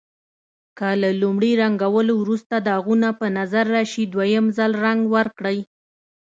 که له لومړي رنګولو وروسته داغونه په نظر راشي دویم ځل رنګ ورکړئ.